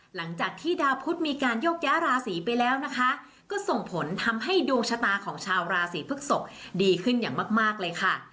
หลังจากที่ดาวพุทธมีการโยกย้าราศีไปแล้วนะคะก็ส่งผลทำให้ดวงชะตาของชาวราศีพฤกษกดีขึ้นอย่างมากเลยค่ะ